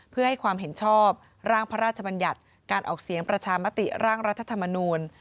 เพื่อให้ความเห็นชอบร่างพระราชบัญญัติการออกเสียงประชามติร่างรัฐธรรมนูล